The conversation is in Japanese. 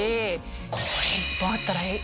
これ１本あったらいい。